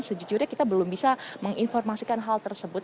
sejujurnya kita belum bisa menginformasikan hal tersebut